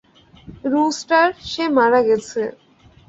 Rooster, সে মারা গেছে।